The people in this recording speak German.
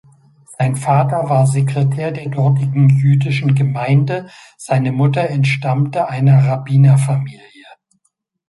Sein Vater war Sekretär der dortigen jüdischen Gemeinde, seine Mutter entstammte einer Rabbinerfamilie.